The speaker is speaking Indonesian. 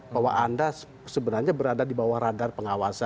bahwa anda sebenarnya berada di bawah radar pengawasan